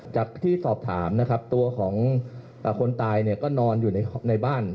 จากที่สอบถามนะครับตัวของคนตายเนี่ยก็นอนอยู่ในบ้าน